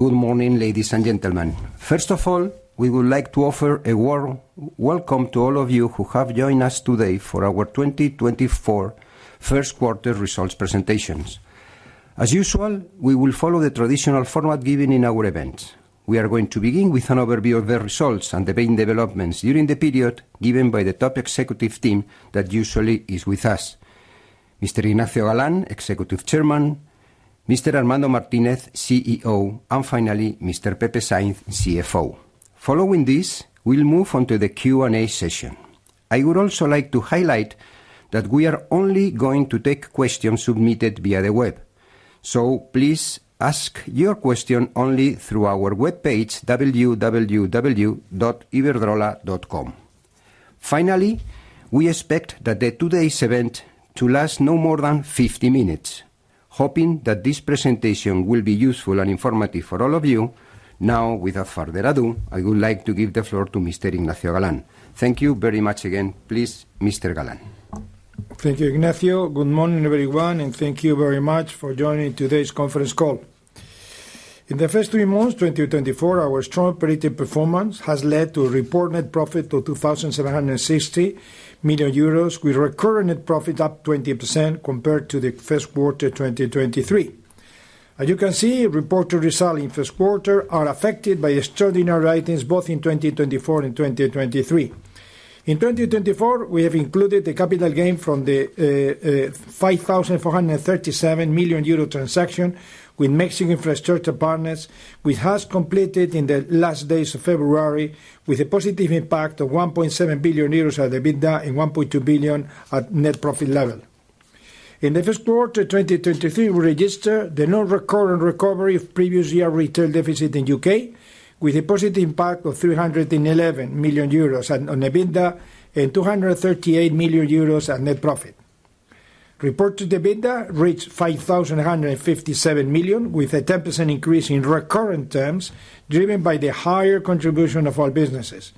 Good morning, ladies and gentlemen. First of all, we would like to offer a warm welcome to all of you who have joined us today for our 2024 first quarter results presentations. As usual, we will follow the traditional format given in our events. We are going to begin with an overview of the results and the main developments during the period, given by the top executive team that usually is with us: Mr. Ignacio Galán, Executive Chairman; Mr. Armando Martínez, CEO; and finally, Mr. Pepe Sáinz, CFO. Following this, we'll move on to the Q&A session. I would also like to highlight that we are only going to take questions submitted via the web, so please ask your question only through our webpage, www.iberdrola.com. Finally, we expect that the today's event to last no more than 50 minutes. Hoping that this presentation will be useful and informative for all of you, now, without further ado, I would like to give the floor to Mr. Ignacio Galán. Thank you very much again. Please, Mr. Galán. Thank you, Ignacio. Good morning, everyone, and thank you very much for joining today's conference call. In the first three months of 2024, our strong operating performance has led to a reported profit of 2,760 million euros, with recurrent net profit up 20% compared to the first quarter of 2023. As you can see, reported result in first quarter are affected by extraordinary items, both in 2024 and 2023. In 2024, we have included the capital gain from the five thousand four hundred and thirty-seven million euro transaction with Mexico Infrastructure Partners, which has completed in the last days of February, with a positive impact of 1.7 billion euros at the EBITDA and 1.2 billion at net profit level. In the first quarter 2023, we registered the non-recurrent recovery of previous year retail deficit in the U.K., with a positive impact of 311 million euros on EBITDA and 238 million euros at net profit. Reported EBITDA reached 5,157 million, with a 10% increase in recurrent terms, driven by the higher contribution of our businesses.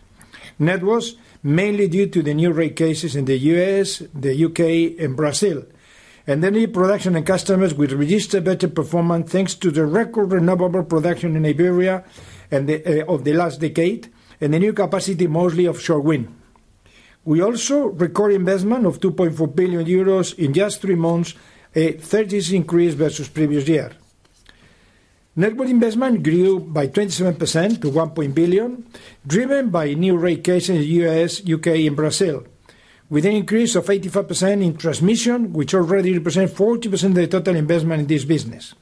Networks, mainly due to the new rate cases in the U.S., the U.K., and Brazil, and then production and customers, which registered better performance thanks to the record renewable production in Iberia and the highest of the last decade, and the new capacity, mostly offshore wind. We also record investment of 2.4 billion euros in just three months, a 30% increase versus previous year. Network investment grew by 27% to 1 billion, driven by new rate cases in the US, UK, and Brazil, with an increase of 85% in transmission, which already represent 40% of the total investment in this business.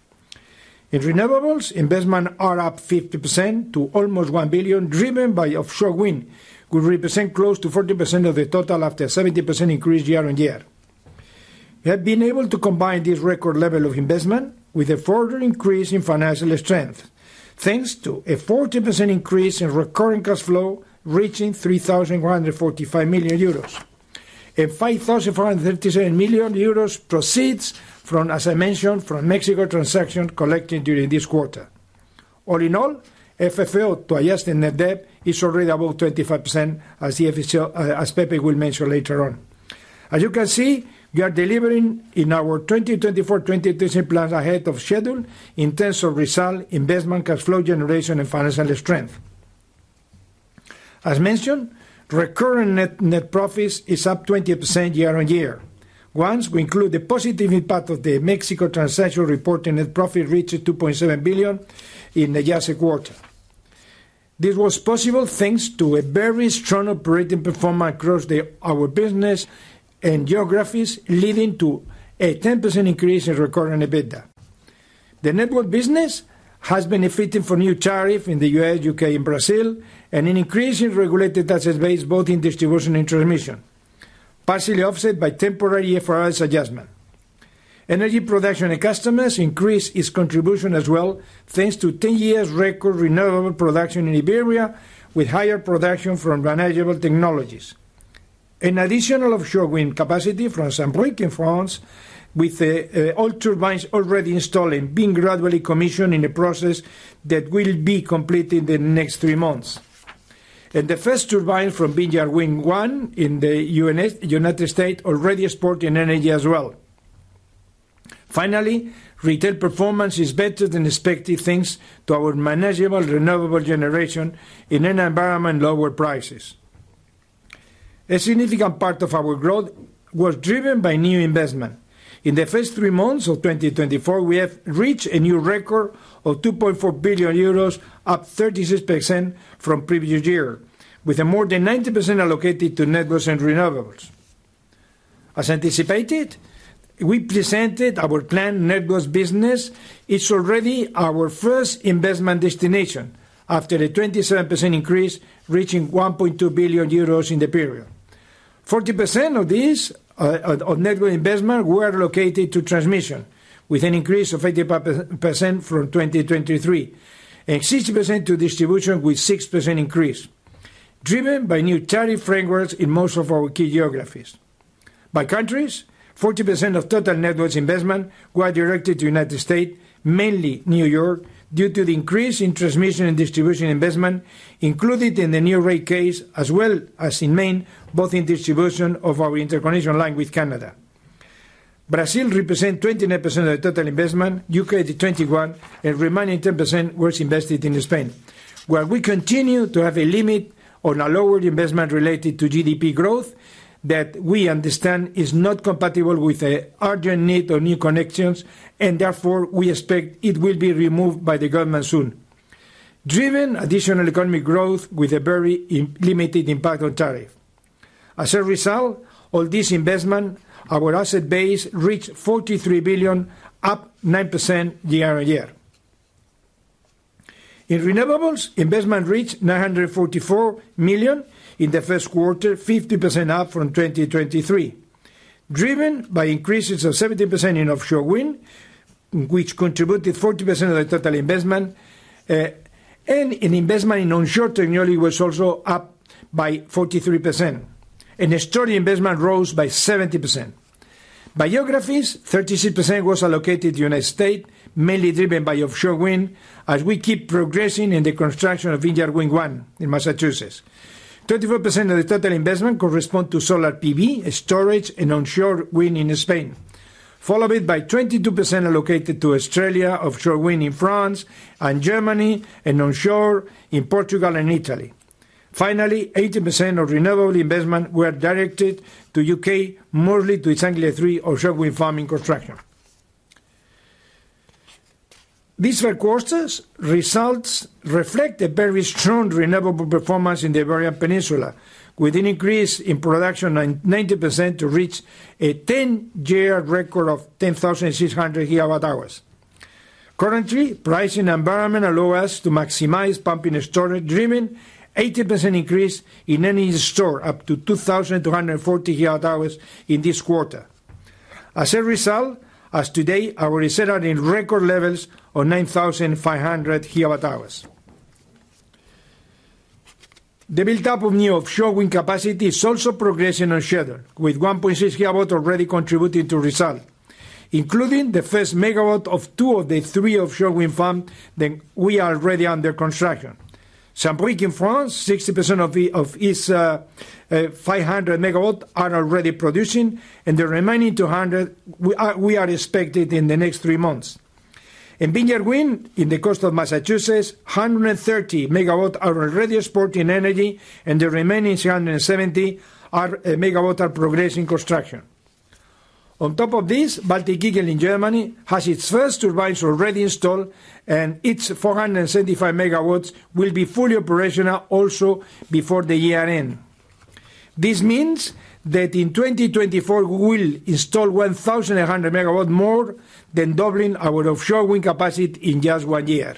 In renewables, investment are up 50% to almost 1 billion, driven by offshore wind, which represent close to 40% of the total after a 70% increase year-on-year. We have been able to combine this record level of investment with a further increase in financial strength, thanks to a 40% increase in recurring cash flow, reaching 3,145 million euros, and 5,437 million euros proceeds from, as I mentioned, from Mexico transaction collected during this quarter. All in all, FFO to adjusted net debt is already above 25%, as the official, As Pepe will mention later on. As you can see, we are delivering on our 2024-2025 plans ahead of schedule in terms of results, investment, cash flow generation, and financial strength. As mentioned, recurring net profit is up 20% year-on-year. Once we include the positive impact of the Mexico transaction, reported net profit reached 2.7 billion in the last quarter. This was possible thanks to a very strong operating performance across our business and geographies, leading to a 10% increase in recurring EBITDA. The network business has benefited from new tariffs in the U.S., U.K., and Brazil, and an increase in regulated asset base, both in distribution and transmission, partially offset by temporary IFRS adjustment. Energy production and customers increased its contribution as well, thanks to 10 years' record renewable production in Iberia, with higher production from manageable technologies. An additional offshore wind capacity from Saint-Brieuc in France, with the all turbines already installed and being gradually commissioned in a process that will be completed in the next three months. And the first turbine from Vineyard Wind 1 in the United States already exporting energy as well. Finally, retail performance is better than expected, thanks to our manageable renewable generation in an environment lower prices. A significant part of our growth was driven by new investment. In the first three months of 2024, we have reached a new record of 2.4 billion euros, up 36% from previous year, with more than 90% allocated to networks and renewables. As anticipated, we presented our planned networks business. It's already our first investment destination after a 27% increase, reaching 1.2 billion euros in the period. 40% of this, of network investment were allocated to transmission, with an increase of 85% from 2023, and 60% to distribution, with 6% increase, driven by new tariff frameworks in most of our key geographies. By countries, 40% of total networks investment were directed to United States, mainly New York, due to the increase in transmission and distribution investment included in the new rate case, as well as in Maine, both in distribution of our interconnection line with Canada. Brazil represent 29% of the total investment, UK, 21, and remaining 10% was invested in Spain. Where we continue to have a limit on a lower investment related to GDP growth, that we understand is not compatible with the urgent need of new connections, and therefore, we expect it will be removed by the government soon. Driven additional economic growth with a very limited impact on tariff. As a result of this investment, our asset base reached 43 billion, up 9% year-over-year. In renewables, investment reached 944 million in the first quarter, 50% up from 2023, driven by increases of 70% in offshore wind, which contributed 40% of the total investment. In investment in onshore technology was also up by 43%, and storage investment rose by 70%. By geographies, 36% was allocated to United States, mainly driven by offshore wind, as we keep progressing in the construction of Vineyard Wind 1 in Massachusetts. 34% of the total investment correspond to solar PV, storage, and onshore wind in Spain, followed by 22% allocated to Australia, offshore wind in France and Germany, and onshore in Portugal and Italy. Finally, 18% of renewable investment were directed to U.K., mostly to East Anglia Three offshore wind farm construction. These first quarters results reflect a very strong renewable performance in the Iberian Peninsula, with an increase in production by 90% to reach a ten-year record of 10,600 GWh. Currently, pricing environment allow us to maximize pumped storage, driven 18% increase in energy stored, up to 2,240 GWh in this quarter. As a result, as of today, our reserves are in record levels of 9,500 GWh. The build-up of new offshore wind capacity is also progressing on schedule, with 1.6 GW already contributing to results, including the first MW of two of the three offshore wind farms that we are already under construction. Saint-Brieuc in France, 60% of its 500 MW are already producing, and the remaining 200, we are expected in the next three months. In Vineyard Wind, in the coast of Massachusetts, 130 MW are already exporting energy, and the remaining 370 MW are progressing construction. On top of this, Baltic Eagle in Germany has its first turbines already installed, and its 475 MW will be fully operational also before the year end. This means that in 2024, we will install 1,100 MW more, than doubling our offshore wind capacity in just one year.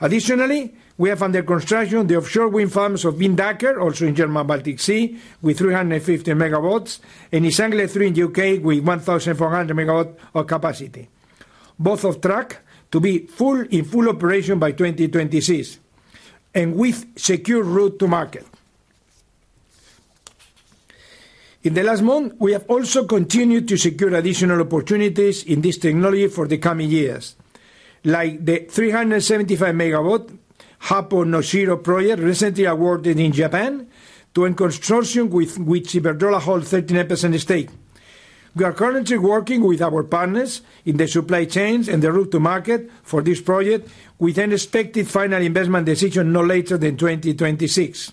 Additionally, we have under construction the offshore wind farms of Windanker, also in German Baltic Sea, with 350 MW, and East Anglia Three in U.K. with 1,400 MW of capacity. Both on track to be in full operation by 2026, and with secure route to market. In the last month, we have also continued to secure additional opportunities in this technology for the coming years, like the 375 MW Happo-Noshiro project, recently awarded in Japan, in a consortium with which Iberdrola holds 13% stake. We are currently working with our partners in the supply chains and the route to market for this project, with an expected final investment decision no later than 2026.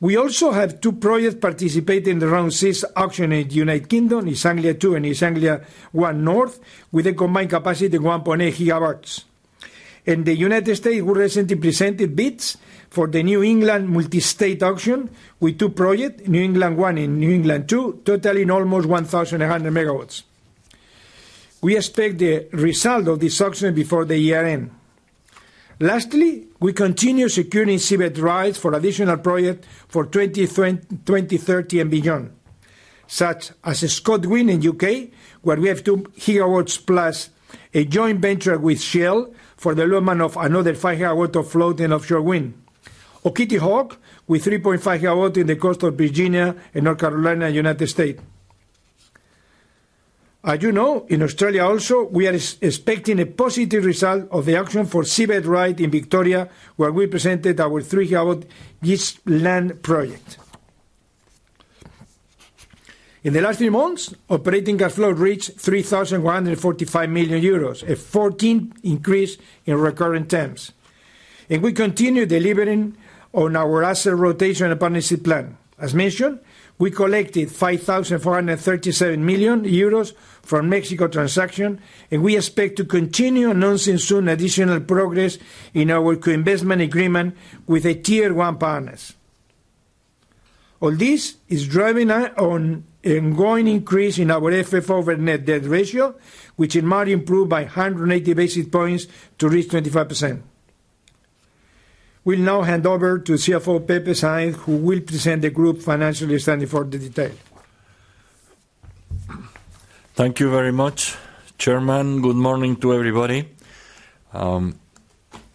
We also have two projects participating in the Round Six auction in United Kingdom, East Anglia Two and East Anglia One North, with a combined capacity of 1.8 GW. In the United States, we recently presented bids for the New England multi-state auction with two project, New England One and New England Two, totaling almost 1,100 MW. We expect the result of this auction before the year end. Lastly, we continue securing seabed rights for additional project for 2030 and beyond, such as ScotWind in U.K., where we have 2 GW+ a joint venture with Shell for the development of another 5 GW of floating offshore wind. Or Kitty Hawk, with 3.5 GW in the coast of Virginia and North Carolina, United States. As you know, in Australia also, we are expecting a positive result of the auction for seabed right in Victoria, where we presented our 3-gigawatt Gisborne project. In the last few months, operating cash flow reached 3,145 million euros, a 14% increase in recurrent terms. We continue delivering on our asset rotation and partnership plan. As mentioned, we collected 5,437 million euros from Mexico transaction, and we expect to continue announcing soon additional progress in our co-investment agreement with the Tier 1 partners. All this is driving an ongoing increase in our FFO over net debt ratio, which in March improved by 180 basis points to reach 25%. We'll now hand over to CFO, Pepe Sainz, who will present the group financial standing for the detail. Thank you very much, Chairman. Good morning to everybody.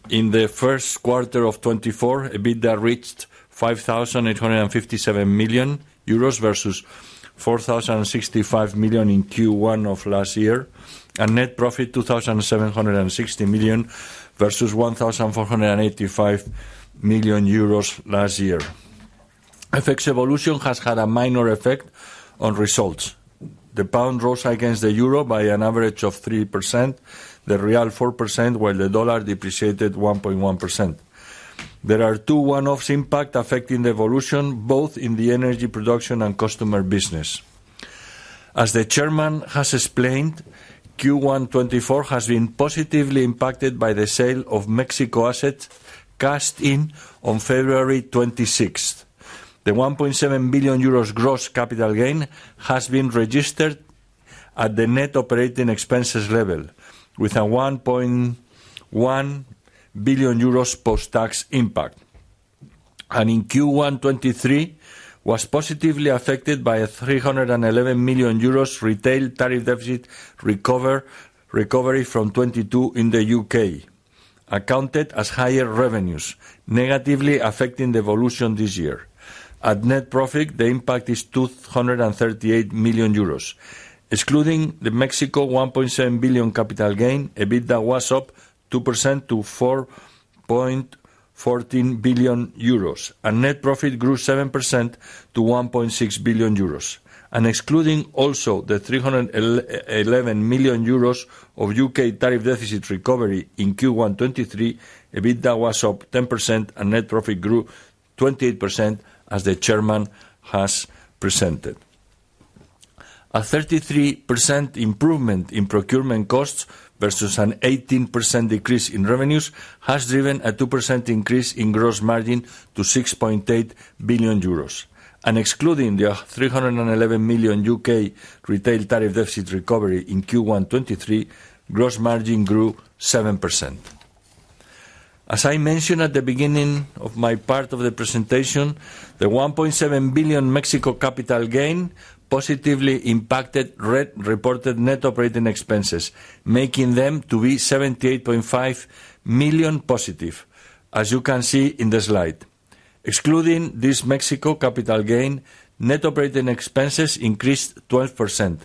In the first quarter of 2024, EBITDA reached 5,857 million euros, versus 4,065 million in Q1 of last year, and net profit, 2,760 million, versus 1,485 million euros last year. FX evolution has had a minor effect on results. The pound rose against the euro by an average of 3%, the real, 4%, while the dollar depreciated 1.1%. There are two one-offs impact affecting the evolution, both in the energy production and customer business. As the chairman has explained, Q1 2024 has been positively impacted by the sale of Mexico assets, cashed in on February 26. The 1.7 billion euros gross capital gain has been registered at the net operating expenses level, with a 1.1 billion euros post-tax impact. In Q1 2023, was positively affected by a 311 million euros retail tariff deficit recovery from 2022 in the U.K., accounted as higher revenues, negatively affecting the evolution this year. At net profit, the impact is 238 million euros. Excluding the Mexico 1.7 billion capital gain, EBITDA was up 2% to 4.14 billion euros, and net profit grew 7% to 1.6 billion euros. Excluding also the 311 million euros of U.K. tariff deficit recovery in Q1 2023, EBITDA was up 10%, and net profit grew 28%, as the chairman has presented. A 33% improvement in procurement costs versus an 18% decrease in revenues has driven a 2% increase in gross margin to 6.8 billion euros. Excluding the 311 million U.K. retail tariff deficit recovery in Q1 2023, gross margin grew 7%. As I mentioned at the beginning of my part of the presentation, the 1.7 billion Mexico capital gain positively impacted re-reported net operating expenses, making them to be 78.5 million positive, as you can see in the slide. Excluding this Mexico capital gain, net operating expenses increased 12%,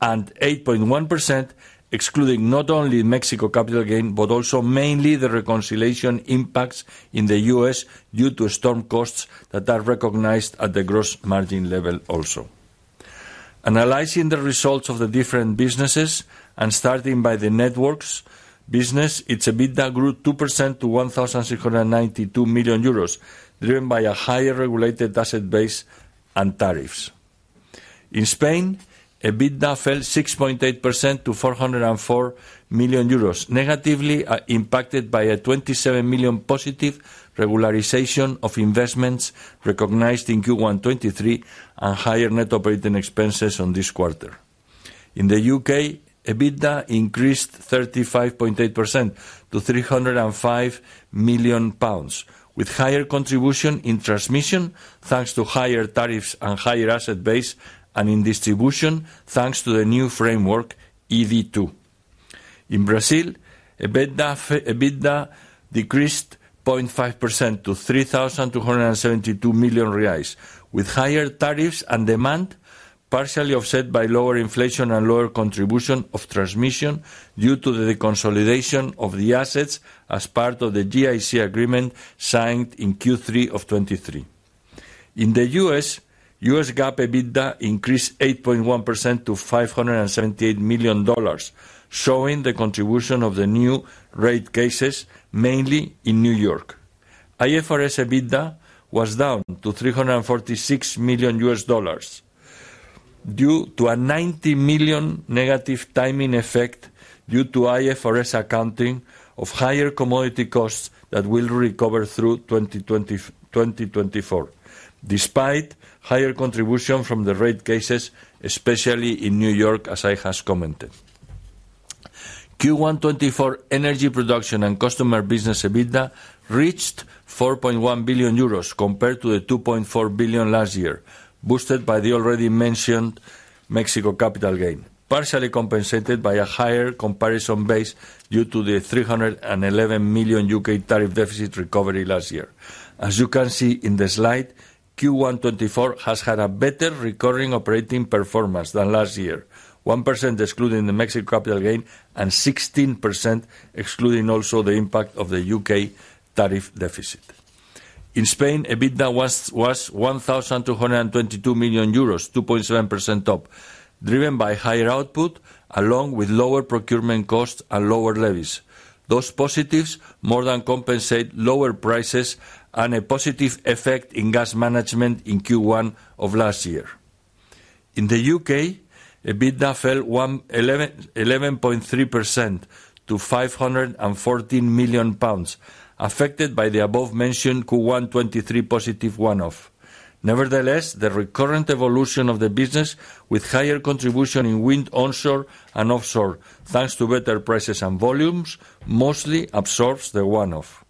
and 8.1% excluding not only Mexico capital gain, but also mainly the reconciliation impacts in the U.S. due to storm costs that are recognized at the gross margin level also. Analyzing the results of the different businesses, and starting by the networks business, its EBITDA grew 2% to EUR 1,692 million, driven by a higher regulated asset base and tariffs. In Spain, EBITDA fell 6.8% to EUR 404 million, negatively impacted by a 27 million positive regularization of investments recognized in Q1 2023, and higher net operating expenses on this quarter. In the U.K., EBITDA increased 35.8% to 305 million pounds, with higher contribution in transmission, thanks to higher tariffs and higher asset base, and in distribution, thanks to the new framework, ED2. In Brazil, EBITDA decreased 0.5% to 3,272 million reais, with higher tariffs and demand, partially offset by lower inflation and lower contribution of transmission due to the consolidation of the assets as part of the GIC agreement signed in Q3 of 2023. In the U.S., U.S. GAAP EBITDA increased 8.1% to $578 million, showing the contribution of the new rate cases, mainly in New York. IFRS EBITDA was down to $346 million, due to a $90 million negative timing effect due to IFRS accounting of higher commodity costs that will recover through 2024, despite higher contribution from the rate cases, especially in New York, as I has commented. Q1 2024 energy production and customer business EBITDA reached 4.1 billion euros, compared to 2.4 billion last year, boosted by the already mentioned Mexico capital gain, partially compensated by a higher comparison base due to the 311 million U.K. tariff deficit recovery last year. As you can see in the slide, Q1 2024 has had a better recurring operating performance than last year, 1% excluding the Mexico capital gain, and 16% excluding also the impact of the U.K. tariff deficit. In Spain, EBITDA was one thousand two hundred and twenty-two million euros, 2.7% up, driven by higher output, along with lower procurement costs and lower levies. Those positives more than compensate lower prices and a positive effect in gas management in Q1 of last year. In the U.K., EBITDA fell 11.3% to 514 million pounds, affected by the above mentioned Q1 2023 positive one-off. Nevertheless, the recurrent evolution of the business, with higher contribution in wind onshore and offshore, thanks to better prices and volumes, mostly absorbs the one-off.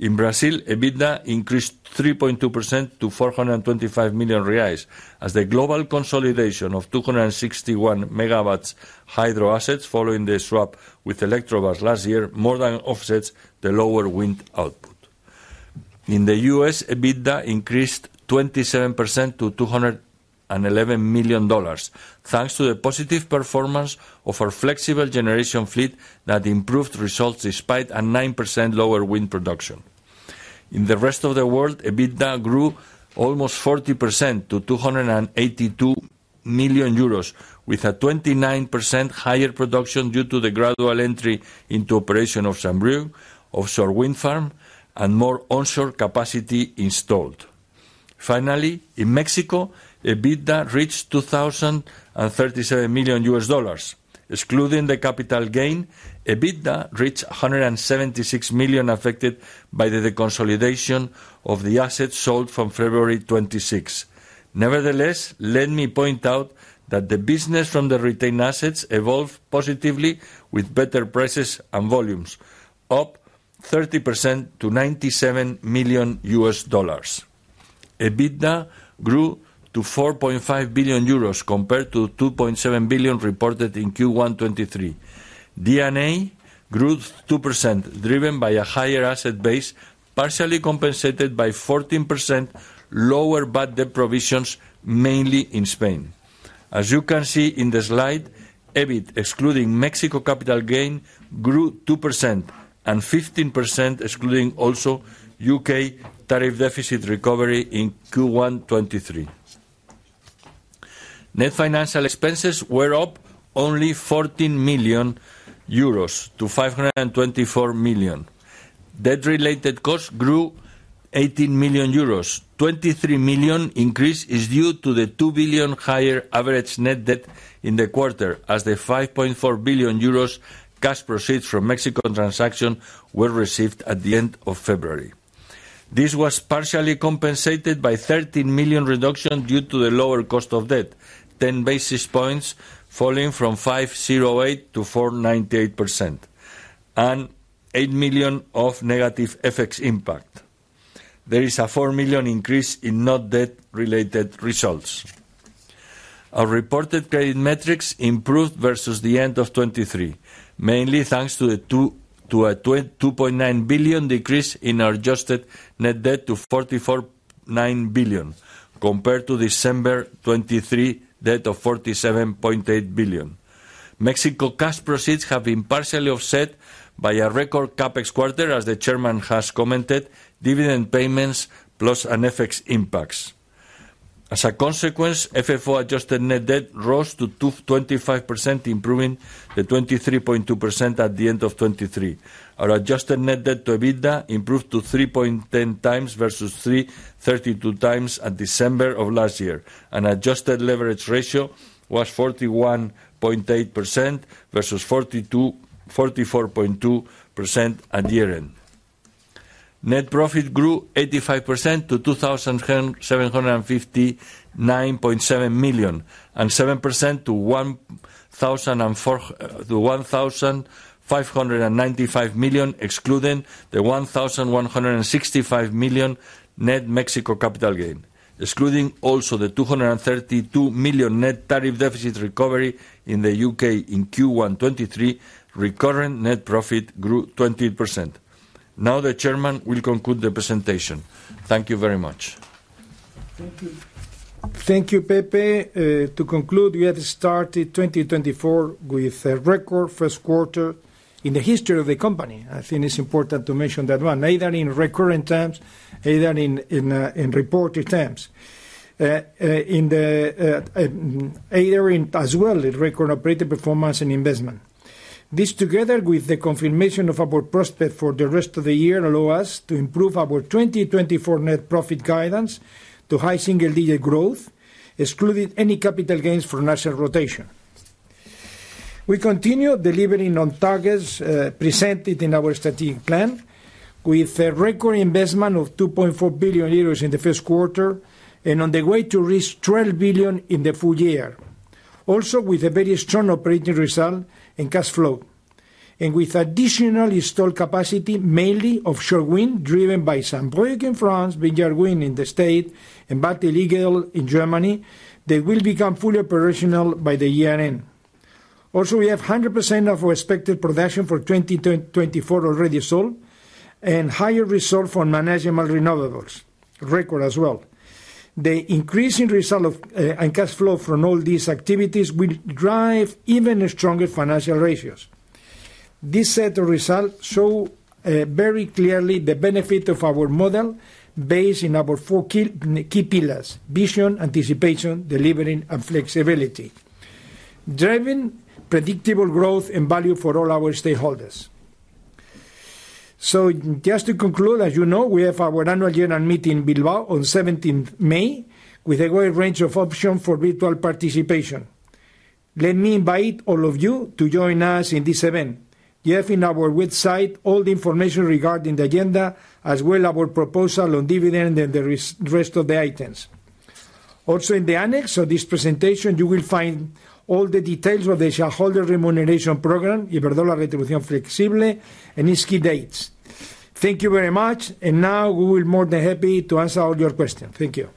In Brazil, EBITDA increased 3.2% to 425 million reais, as the global consolidation of 261 MW hydro assets following the swap with Eletrobras last year, more than offsets the lower wind output. In the U.S., EBITDA increased 27% to $211 million, thanks to the positive performance of our flexible generation fleet that improved results despite a 9% lower wind production. In the rest of the world, EBITDA grew almost 40% to 282 million euros, with a 29% higher production due to the gradual entry into operation of Saint-Brieuc offshore wind farm and more onshore capacity installed. Finally, in Mexico, EBITDA reached $2,037 million. Excluding the capital gain, EBITDA reached $176 million, affected by the deconsolidation of the assets sold from February 26th. Nevertheless, let me point out that the business from the retained assets evolved positively with better prices and volumes, up 30% to $97 million. EBITDA grew to 4.5 billion euros, compared to 2.7 billion reported in Q1 2023. D&A grew 2%, driven by a higher asset base, partially compensated by 14% lower bad debt provisions, mainly in Spain. As you can see in the slide, EBIT, excluding Mexico capital gain, grew 2% and 15%, excluding also U.K. tariff deficit recovery in Q1 2023. Net financial expenses were up only 14 million euros to 524 million. Debt-related costs grew 18 million euros. 23 million increase is due to the 2 billion higher average net debt in the quarter, as the 5.4 billion euros cash proceeds from Mexican transaction were received at the end of February. This was partially compensated by 13 million reduction due to the lower cost of debt, 10 basis points, falling from 5.08% to 4.98%, and 8 million of negative FX impact. There is a 4 million increase in not debt-related results. Our reported credit metrics improved versus the end of 2023, mainly thanks to a 2.9 billion decrease in our adjusted net debt to 44.9 billion, compared to December 2023 debt of 47.8 billion. Mexico cash proceeds have been partially offset by a record CapEx quarter, as the chairman has commented, dividend payments, plus an FX impacts. As a consequence, FFO adjusted net debt rose to 225%, improving the 23.2% at the end of 2023. Our adjusted net debt to EBITDA improved to 3.10 times versus 3.32 times at December of last year, and adjusted leverage ratio was 41.8% versus 44.2% at year-end. Net profit grew 85% to 2,759.7 million, and 7% to 1,004 to EUR 1,595 million, excluding the 1,165 million net Mexico capital gain. Excluding also the 232 million net tariff deficit recovery in the U.K. in Q1 2023, recurrent net profit grew 20%. Now, the chairman will conclude the presentation. Thank you very much. Thank you. Thank you, Pepe. To conclude, we have started 2024 with a record first quarter in the history of the company. I think it's important to mention that one, either in recurrent terms, either in reported terms, either in as well, a record operating performance and investment. This, together with the confirmation of our prospects for the rest of the year, allow us to improve our 2024 net profit guidance to high single-digit growth, excluding any capital gains from asset rotation. We continue delivering on targets presented in our strategic plan, with a record investment of 2.4 billion euros in the first quarter, and on the way to reach 12 billion in the full year. Also, with a very strong operating result and cash flow, and with additional installed capacity, mainly offshore wind, driven by Saint-Brieuc in France, Vineyard Wind in the States, and Baltic Eagle in Germany, they will become fully operational by year-end. Also, we have 100% of our expected production for 2024 already sold, and higher reserve for manageable renewables, record as well. The increasing result of and cash flow from all these activities will drive even stronger financial ratios. This set of results show very clearly the benefit of our model, based in our four key, key pillars: vision, anticipation, delivering, and flexibility, driving predictable growth and value for all our stakeholders. So just to conclude, as you know, we have our annual general meeting in Bilbao on 17 May, with a wide range of options for virtual participation. Let me invite all of you to join us in this event. You have in our website all the information regarding the agenda, as well as our proposal on dividend and the rest of the items. Also, in the annex of this presentation, you will find all the details of the shareholder remuneration program, and its key dates. Thank you very much, and now we are more than happy to answer all your questions. Thank you.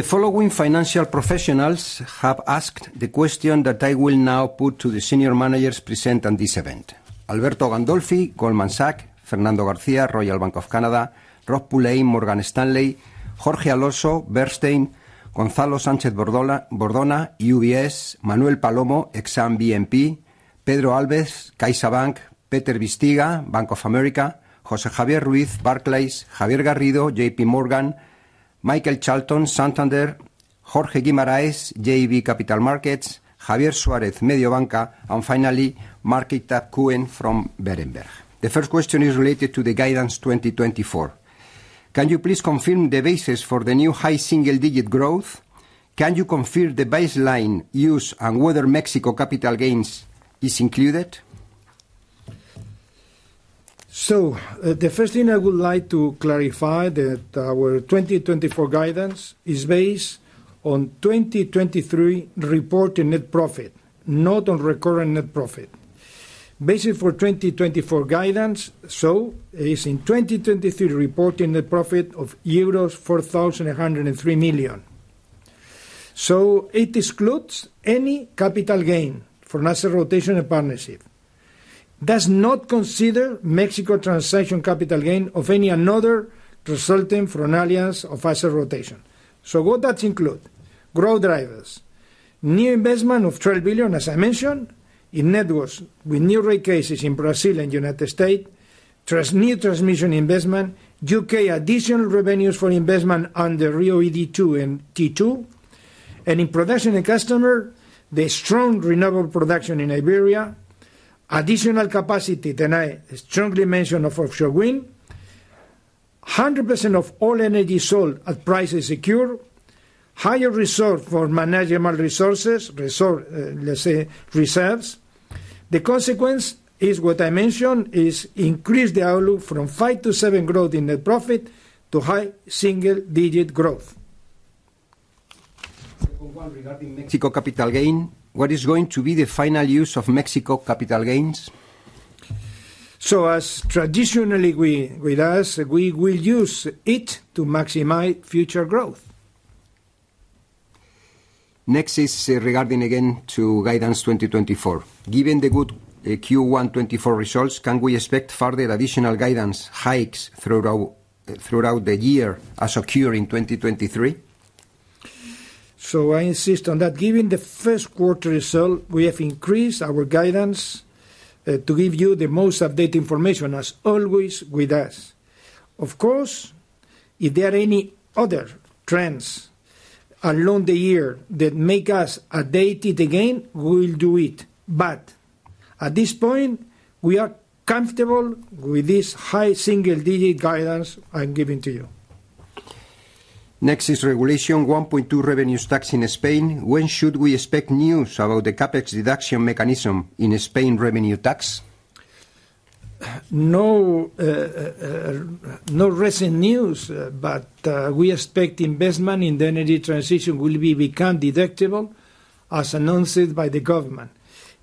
The following financial professionals have asked the question that I will now put to the senior managers present on this event: Alberto Gandolfi, Goldman Sachs; Fernando Garcia, Royal Bank of Canada; Rob Pulleyen, Morgan Stanley; Jorge Alonso, Bernstein; Gonzalo Sanchez-Bordona, UBS; Manuel Palomo, Exane BNP; Pedro Alves, CaixaBank; Peter Bisztyga, Bank of America; Jose Javier Ruiz, Barclays; Javier Garrido, JPMorgan; Michael Charlton, Santander; Jorge Guimaraes, JB Capital Markets; Javier Suarez, Mediobanca; and finally, Markita Cohen from Berenberg. The first question is related to the guidance 2024. Can you please confirm the basis for the new high single-digit growth? Can you confirm the baseline use and whether Mexico capital gains is included? So, the first thing I would like to clarify that our 2024 guidance is based on 2023 reported net profit, not on recurrent net profit. Basis for 2024 guidance, so is in 2023, reported net profit of euros 4,103 million. So it excludes any capital gain from asset rotation and partnership. Does not consider Mexico transaction capital gain of any another resulting from an alliance of asset rotation. So what that include? Growth drivers: new investment of 12 billion, as I mentioned, in networks with new rate cases in Brazil and United States; new transmission investment; U.K. additional revenues for investment under RIIO-ED2 and T2; and in production and customer, the strong renewable production in Iberia; additional capacity that I strongly mention of offshore wind; 100% of all energy sold at prices secured; higher reserve for manageable resources, reserve, let's say, reserves. The consequence is what I mentioned, is increase the outlook from 5%-7% growth in net profit to high single-digit growth. Second one, regarding Mexico capital gain, what is going to be the final use of Mexico capital gains? As traditionally with us, we will use it to maximize future growth. Next is, regarding again to guidance 2024. Given the good, Q1 2024 results, can we expect further additional guidance hikes throughout the year as occurred in 2023? So I insist on that. Given the first quarter result, we have increased our guidance, to give you the most updated information, as always with us. Of course, if there are any other trends along the year that make us update it again, we will do it, but at this point, we are comfortable with this high single-digit guidance I'm giving to you. Next is Regarding the 1.2% revenues tax in Spain. When should we expect news about the CapEx deduction mechanism in Spain revenue tax? No, no recent news, but we expect investment in the energy transition will be become deductible, as announced by the government.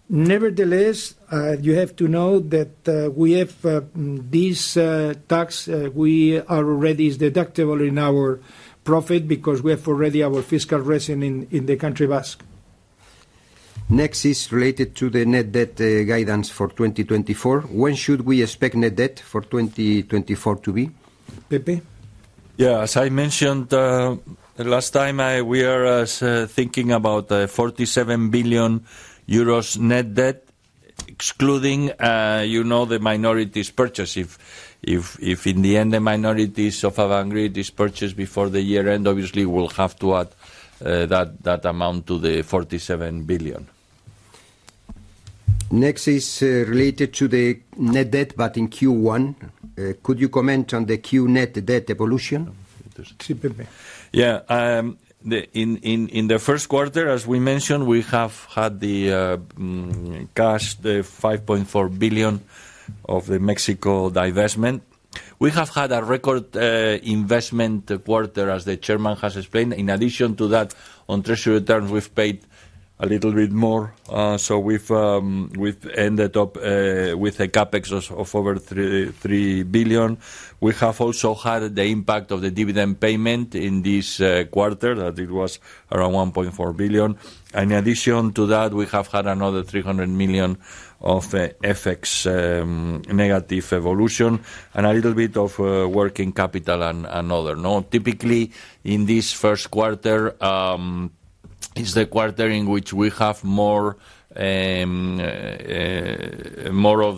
Nevertheless, you have to know that we have this tax. We are already is deductible in our profit because we have already our fiscal residence in the Basque Country. Next is related to the net debt, guidance for 2024. When should we expect net debt for 2024 to be? Pepe? Yeah. As I mentioned, the last time, we are thinking about 47 billion euros net debt, excluding, you know, the minorities purchase. If in the end, the minorities of Avangrid is purchased before the year end, obviously we'll have to add that amount to the 47 billion. Next is related to the net debt, but in Q1. Could you comment on the Q1 net debt evolution? Yes, Pepe. Yeah, in the first quarter, as we mentioned, we have had the cash, the 5.4 billion of the Mexico divestment. We have had a record investment quarter, as the chairman has explained. In addition to that, on treasury returns, we've paid a little bit more, so we've ended up with a CapEx of over 3 billion. We have also had the impact of the dividend payment in this quarter, that it was around 1.4 billion. In addition to that, we have had another 300 million of FX negative evolution, and a little bit of working capital and other. Now, typically, in this first quarter, is the quarter in which we have more of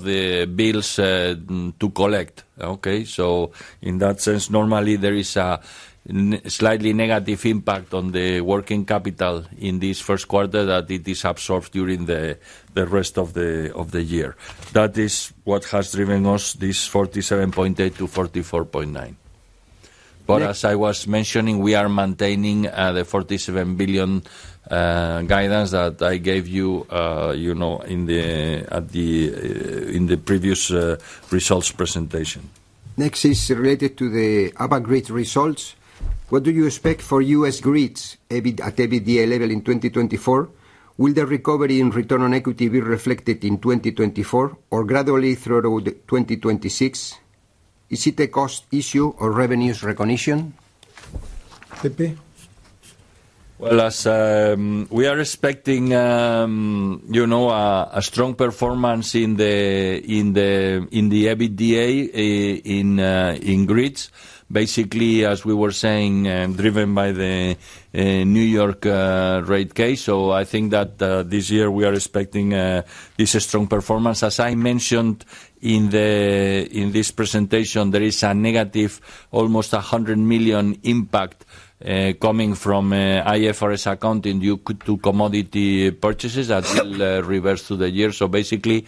the bills to collect. Okay? So in that sense, normally there is a slightly negative impact on the working capital in this first quarter, that it is absorbed during the rest of the year. That is what has driven us this 47.8-44.9. Yeah. But as I was mentioning, we are maintaining the 47 billion guidance that I gave you, you know, in the previous results presentation. Next is related to the Avangrid results. What do you expect for U.S. grids, EBITDA, at EBITDA level in 2024? Will the recovery and return on equity be reflected in 2024 or gradually throughout 2026? Is it a cost issue or revenue recognition? Pepe? Well, as we are expecting, you know, a strong performance in the EBITDA in grids. Basically, as we were saying, driven by the New York rate case. So I think that this year we are expecting this strong performance. As I mentioned in this presentation, there is a negative almost 100 million impact coming from IFRS accounting due to commodity purchases that will reverse through the year. So basically,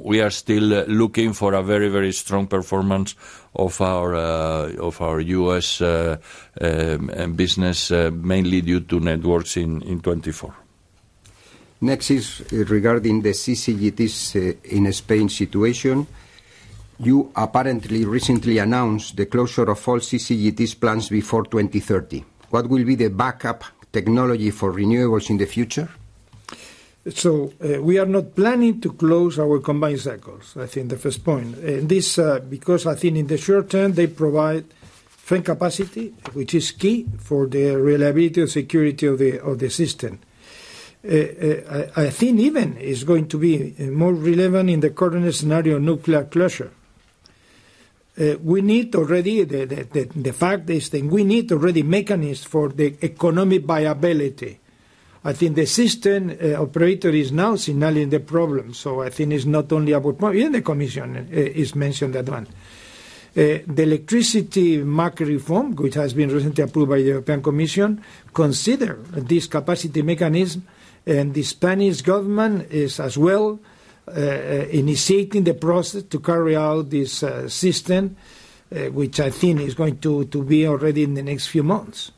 we are still looking for a very, very strong performance of our U.S. business, mainly due to networks in 2024. Next is regarding the CCGTs in Spain situation. You apparently recently announced the closure of all CCGTs plans before 2030. What will be the backup technology for renewables in the future? So, we are not planning to close our combined cycles, I think the first point. And this, because I think in the short term, they provide firm capacity, which is key for the reliability and security of the system. I think even it's going to be more relevant in the current scenario, nuclear closure. We need already the fact is that we need already mechanisms for the economic viability. I think the system operator is now signaling the problem, so I think it's not only about money, and the commission is mentioned that one. The electricity market reform, which has been recently approved by the European Commission, consider this capacity mechanism, and the Spanish government is as well initiating the process to carry out this system, which I think is going to be already in the next few months.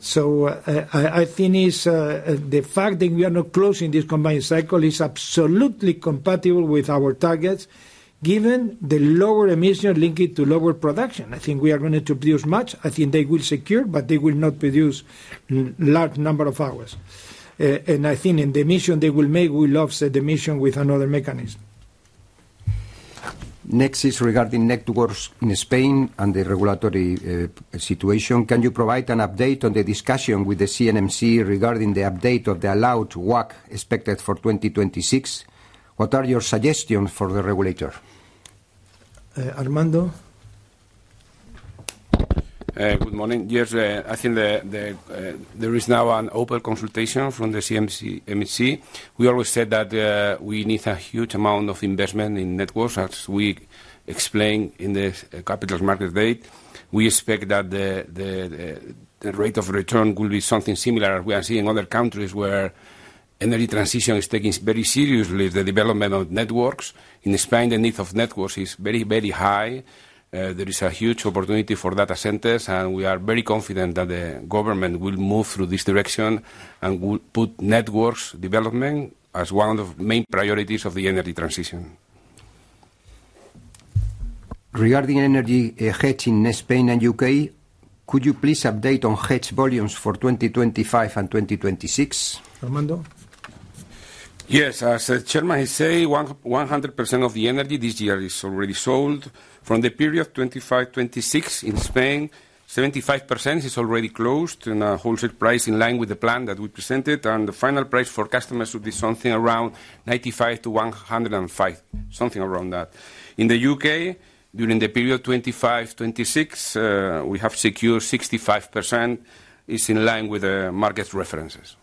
The fact that we are not closing this combined cycle is absolutely compatible with our targets, given the lower emission linked to lower production. I think we are going to produce much. I think they will secure, but they will not produce large number of hours. And I think in the emission they will make, we love the emission with another mechanism. Next is regarding networks in Spain and the regulatory situation. Can you provide an update on the discussion with the CNMC regarding the update of the allowed WACC expected for 2026? What are your suggestions for the regulator? Uh, Armando? Good morning. Yes, I think there is now an open consultation from the CNMC. We always said that we need a huge amount of investment in networks, as we explained in the capital markets day. We expect that the rate of return will be something similar as we are seeing in other countries where energy transition is taking very seriously the development of networks. In Spain, the need of networks is very, very high. There is a huge opportunity for data centers, and we are very confident that the government will move through this direction and will put networks development as one of the main priorities of the energy transition. Regarding energy hedge in Spain and U.K., could you please update on hedge volumes for 2025 and 2026? Armando? Yes, as the chairman has said, 100% of the energy this year is already sold. From the period 2025-2026 in Spain, 75% is already closed, and a wholesale price in line with the plan that we presented, and the final price for customers will be something around 95-105, something around that. In the U.K., during the period 2025-2026, we have secured 65%. It's in line with the market references.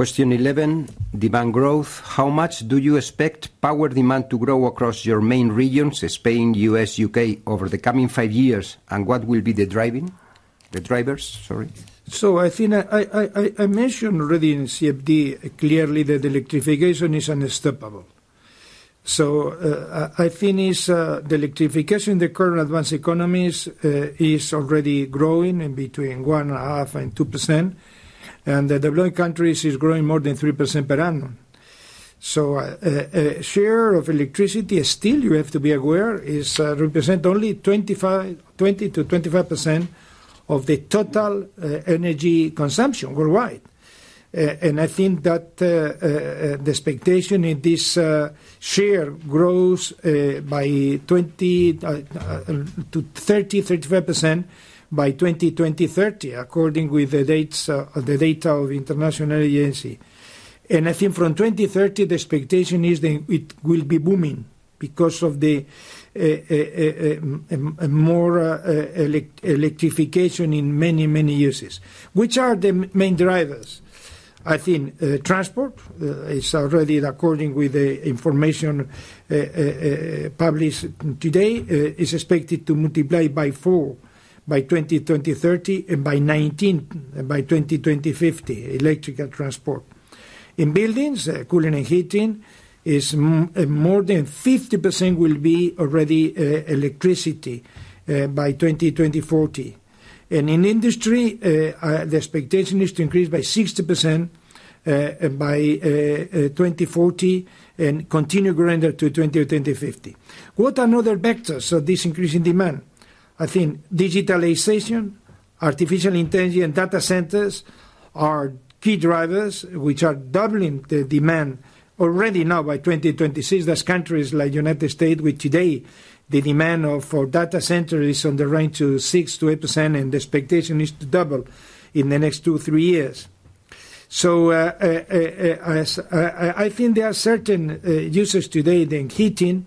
Question 11, demand growth: How much do you expect power demand to grow across your main regions, Spain, U.S., U.K., over the coming five years? And what will be the drivers, sorry? So I think I mentioned already in CFD, clearly, that electrification is unstoppable. So I think it's the electrification in the current advanced economies is already growing between 1.5% and 2%, and the developing countries is growing more than 3% per annum. So share of electricity is still, you have to be aware, is represent only 20%-25% of the total energy consumption worldwide. And I think that the expectation in this share grows by 20 to 30-35% by 2030, according with the data of International Energy Agency. And I think from 2030, the expectation is it will be booming because of the more electrification in many, many uses. Which are the main drivers? I think, transport, is already according with the information, published today, is expected to multiply by 4 by 2030 and by 19 by 2050, electrical transport. In buildings, cooling and heating is more than 50% will be already, electricity, by 2040. And in industry, the expectation is to increase by 60%, by 2040 and continue growing up to 2050. What are another factors of this increasing demand? I think digitalization, artificial intelligence and data centers are key drivers, which are doubling the demand already now by 2026. There are countries like United States, where today the demand of, for data center is in the range of 6%-8%, and the expectation is to double in the next two, three years. So, I think there are certain users today than heating, with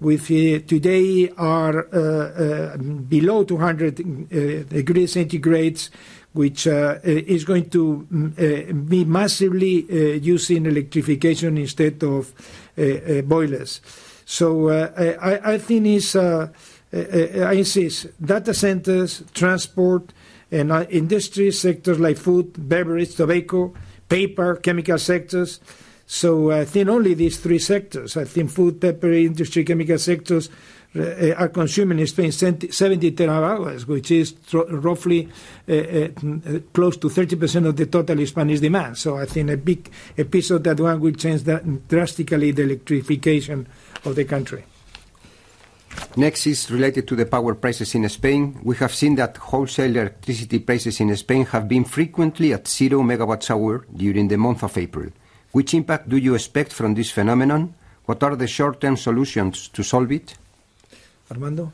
today are below 200 degrees Celsius, which is going to be massively used in electrification instead of boilers. So, I think it's, I insist, data centers, transport, and industry sectors like food, beverages, tobacco, paper, chemical sectors. So I think only these three sectors, I think food, beverage, industry, chemical sectors, are consuming in Spain 70 TWh, which is roughly close to 30% of the total Spanish demand. So I think a big episode that one will change drastically the electrification of the country. Next is related to the power prices in Spain. We have seen that wholesale electricity prices in Spain have been frequently at zero megawatt-hours during the month of April. Which impact do you expect from this phenomenon? What are the short-term solutions to solve it? Armando?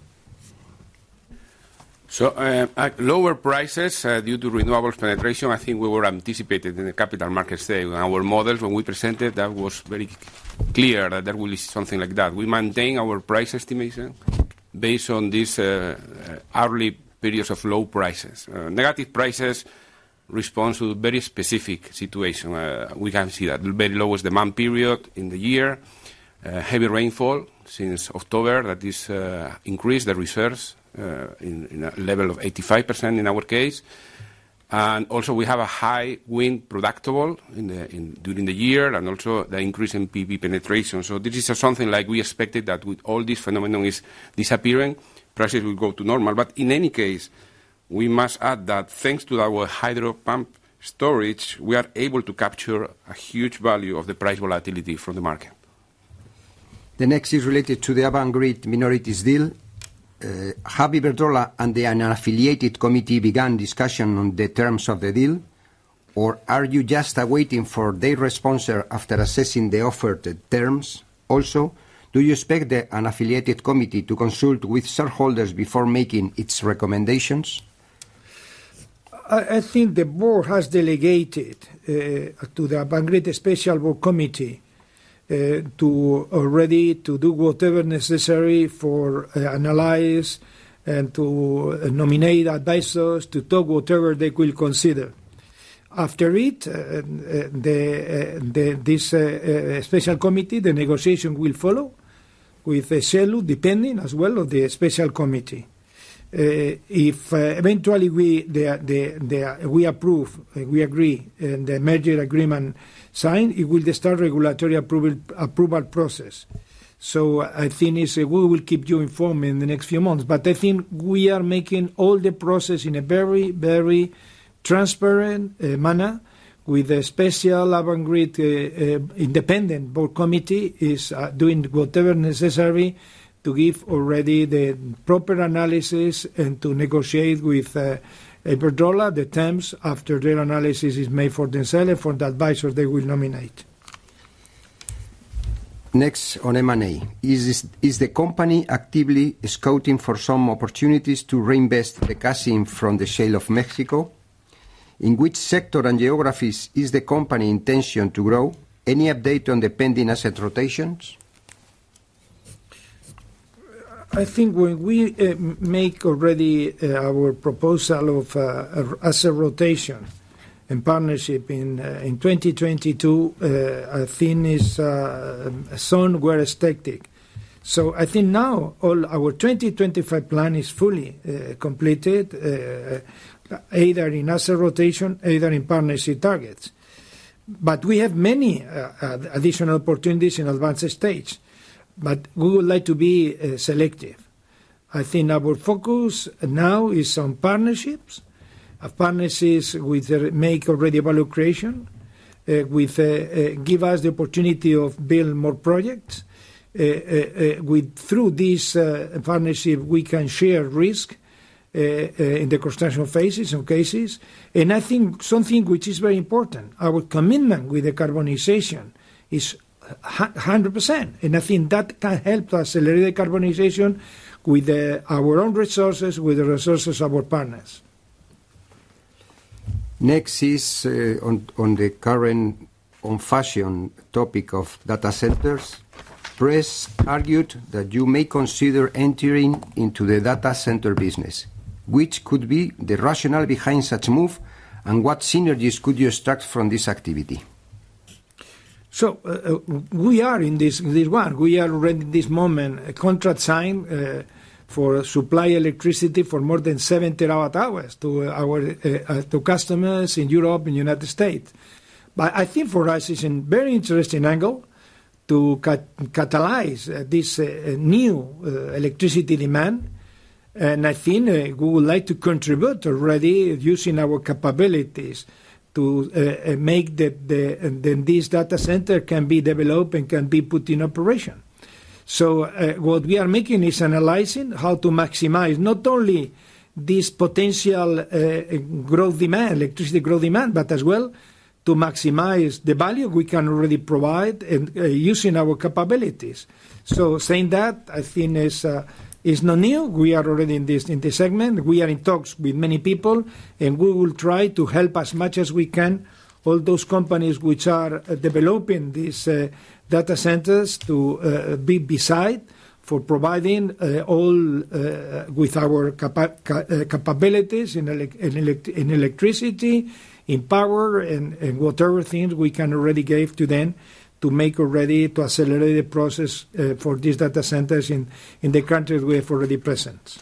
So, at lower prices, due to renewable penetration, I think we were anticipated in the capital markets today. In our models when we presented, that was very clear that there will be something like that. We maintain our price estimation based on these, hourly periods of low prices. Negative prices responds to a very specific situation. We can see that very lowest demand period in the year, heavy rainfall since October, that is, increased the reserves, in a level of 85% in our case. And also, we have a high wind production in during the year, and also the increase in PV penetration. So this is something like we expected, that with all these phenomenon is disappearing, prices will go to normal. In any case, we must add that thanks to our hydro pumped storage, we are able to capture a huge value of the price volatility from the market. The next is related to the Avangrid minorities deal. Have Iberdrola and the unaffiliated committee began discussion on the terms of the deal? Or are you just awaiting for their response or after assessing the offered terms? Also, do you expect the unaffiliated committee to consult with shareholders before making its recommendations? I think the board has delegated to the Avangrid special board committee to already do whatever necessary to analyze and to nominate advisors, to talk whatever they will consider. After it, the special committee, the negotiation will follow with Exelon, depending as well on the special committee. If eventually we approve, we agree, and the merger agreement signed, it will start regulatory approval process. So I think is... We will keep you informed in the next few months. But I think we are making all the process in a very, very transparent manner, with a special Avangrid independent board committee is doing whatever necessary to give already the proper analysis and to negotiate with Iberdrola the terms after their analysis is made for themselves and for the advisors they will nominate. Next, on M&A. Is the company actively scouting for some opportunities to reinvest the cash in from the sale of Mexico? In which sector and geographies is the company's intention to grow? Any update on the pending asset rotations? I think when we make already our proposal of asset rotation and partnership in 2022, I think is somewhere ecstatic. So I think now all our 2025 plan is fully completed, either in asset rotation, either in partnership targets. But we have many additional opportunities in advanced stage, but we would like to be selective. I think our focus now is on partnerships, partnerships with make already evaluation, with give us the opportunity of building more projects. With through this partnership, we can share risk in the construction phases, in cases. I think something which is very important, our commitment with the decarbonization is 100%, and I think that can help to accelerate the decarbonization with our own resources, with the resources of our partners. Next is on the current fashion topic of data centers. Press argued that you may consider entering into the data center business. Which could be the rationale behind such move, and what synergies could you extract from this activity? So, we are in this one. We are already, this moment, a contract signed for supply electricity for more than 7 TWh to our to customers in Europe and United States. But I think for us, it's a very interesting angle to catalyze this new electricity demand. And I think we would like to contribute already using our capabilities to make the then this data center can be developed and can be put in operation. So, what we are making is analyzing how to maximize not only this potential growth demand, electricity growth demand, but as well to maximize the value we can really provide and using our capabilities. So saying that, I think is not new. We are already in this segment. We are in talks with many people, and we will try to help as much as we can, all those companies which are developing these data centers to be beside for providing all with our capabilities in electricity, in power, and whatever things we can already give to them to make already to accelerate the process for these data centers in the countries we have already present.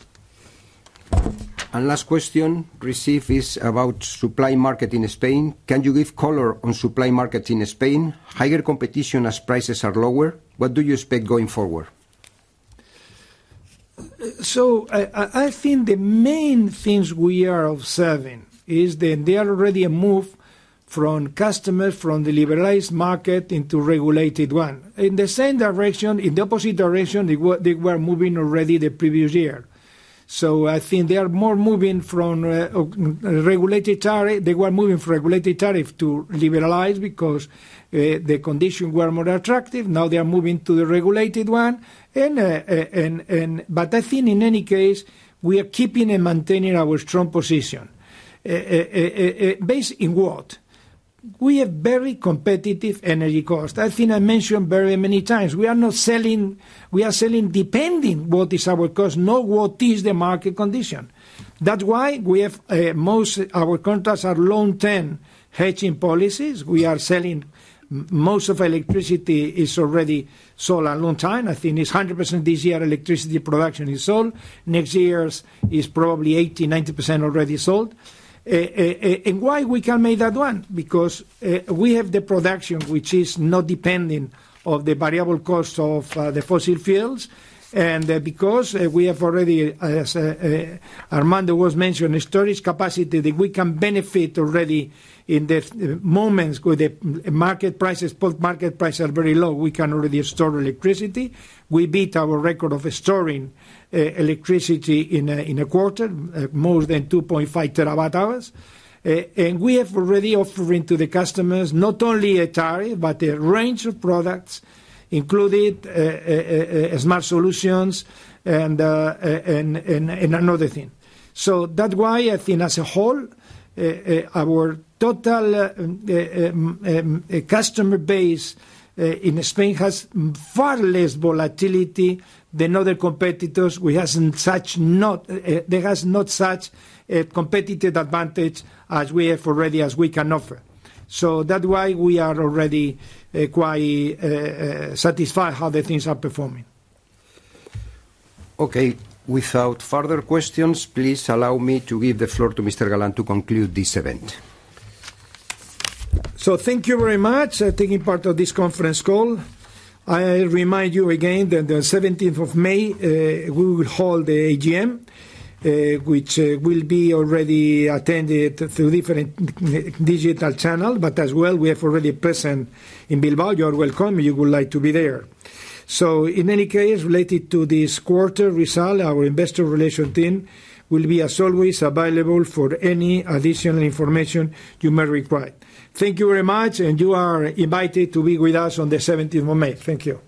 Last question received is about supply market in Spain. Can you give color on supply market in Spain? Higher competition as prices are lower. What do you expect going forward? So I think the main things we are observing is that there are already a move from customers, from the liberalized market into regulated one. In the same direction, in the opposite direction, they were moving already the previous year. So I think they are more moving from regulated tariff. They were moving from regulated tariff to liberalized because the conditions were more attractive. Now, they are moving to the regulated one. And but I think in any case, we are keeping and maintaining our strong position. Based in what? We have very competitive energy cost. I think I mentioned very many times, we are not selling. We are selling depending what is our cost, not what is the market condition. That's why we have most of our contracts are long-term hedging policies. We are selling most of electricity is already sold a long time. I think it's 100% this year, electricity production is sold. Next year's is probably 80%-90% already sold. And why we can make that one? Because we have the production, which is not dependent of the variable cost of the fossil fuels, and because we have already, as Armando was mentioning, storage capacity, that we can benefit already in the moments where the market prices, both market prices are very low, we can already store electricity. We beat our record of storing electricity in a quarter, more than 2.5 TWh. And we have already offering to the customers not only a tariff, but a range of products, including smart solutions and another thing. So that's why I think as a whole, our total customer base in Spain has far less volatility than other competitors. There has not such a competitive advantage as we have already, as we can offer. So that's why we are already quite satisfied how the things are performing. Okay, without further questions, please allow me to give the floor to Mr. Galán to conclude this event. So thank you very much, taking part of this conference call. I remind you again that the seventeenth of May, we will hold the AGM, which will be already attended through different digital channel, but as well, we have already present in Bilbao. You are welcome, you would like to be there. So in any case, related to this quarter result, our Investor Relation team will be, as always, available for any additional information you may require. Thank you very much, and you are invited to be with us on the seventeenth of May. Thank you.